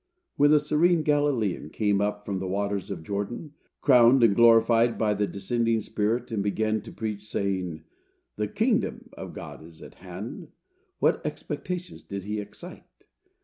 When the serene Galilean came up from the waters of Jordan, crowned and glorified by the descending Spirit, and began to preach, saying, "The kingdom of God is at hand," what expectations did he excite?